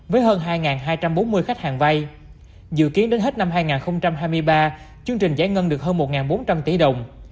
với hơn hai hai trăm bốn mươi khách hàng vay dự kiến đến hết năm hai nghìn hai mươi ba chương trình giải ngân được hơn một bốn trăm linh tỷ đồng